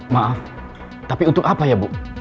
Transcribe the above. maaf tapi untuk apa ya bu